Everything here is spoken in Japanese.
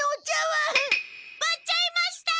わっちゃいました！